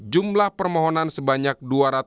jumlah permohonan sebanyak dua ratus lima puluh enam